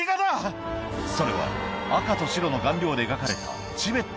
それは赤と白の顔料で描かれた